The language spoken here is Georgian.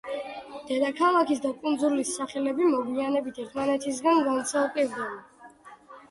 დედაქალაქის და კუნძულის სახელები მოგვიანებით ერთმანეთისგან განცალკევდა.